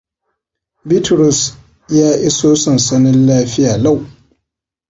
Bitrus ya iso sansanin lafiya lau.